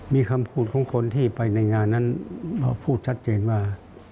มีคำพูดของคนที่ไปในงานนั้นมาพูดชัดเจนว่า